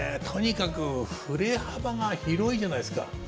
とにかく振れ幅が広いじゃないですか。